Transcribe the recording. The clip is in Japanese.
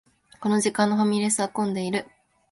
この時間のファミレスは混んでいる